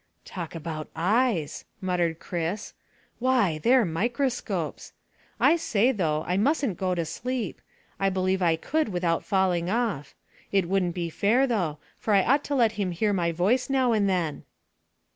"Talk about eyes," muttered Chris, "why, they're microscopes. I say, though, I mustn't go to sleep. I believe I could without falling off. It wouldn't be fair, though, for I ought to let him hear my voice now and then."